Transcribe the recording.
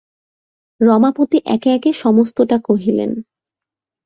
রমাপতি একে একে সমস্তটা কহিলেন।